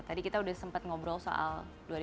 tadi kita sudah sempat ngobrol soal